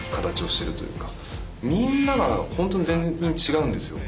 みんながホントに全員違うんですよ。